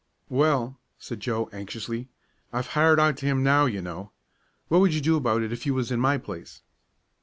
"Well," said Joe, anxiously, "I've hired out to him now, you know. What would you do about it if you was in my place?"